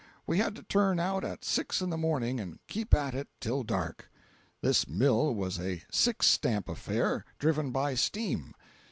We had to turn out at six in the morning and keep at it till dark. This mill was a six stamp affair, driven by steam.